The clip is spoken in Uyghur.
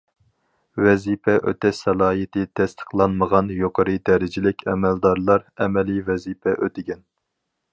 ۋەزىپە ئۆتەش سالاھىيىتى تەستىقلانمىغان يۇقىرى دەرىجىلىك ئەمەلدارلار ئەمەلىي ۋەزىپە ئۆتىگەن.